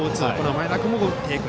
前田君も打っていく。